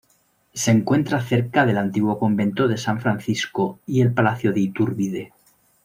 Se encuentra cerca del antiguo convento de San Francisco y el Palacio de Iturbide.